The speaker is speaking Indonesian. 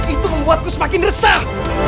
itu membuatku semakin resah